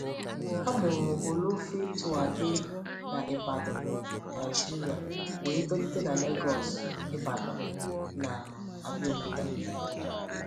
A mụrụ Olofintuade na Ibadan, Nigeria, wee tolite na Lagos, Ibadan, na Abeokuta.